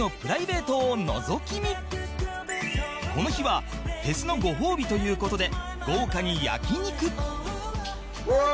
この日はフェスのご褒美という事で豪華に焼肉うわー！